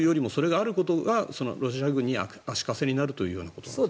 それがあることがロシア軍に足かせになるというようなこと。